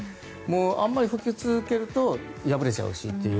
あまり吹き続けると破れちゃうしという。